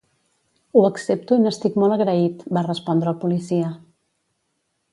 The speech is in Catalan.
"Ho accepto i n'estic molt agraït", va respondre el policia.